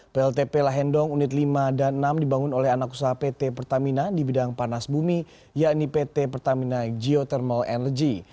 pltp lahendong unit lima dan enam dibangun oleh anak usaha pt pertamina di bidang panas bumi yakni pt pertamina geothermal energy